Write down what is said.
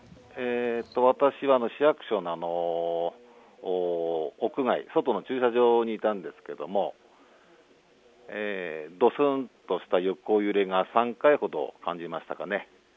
私は市役所の屋外、外の駐車場にいたんですけれどもどすんとした横揺れが３回ほど感じました。